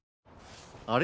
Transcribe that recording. あれ？